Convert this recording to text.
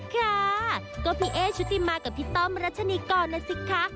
ค่ะก็พี่เอ๊ชุติมากับพี่ต้อมรัชนีกรนะสิคะ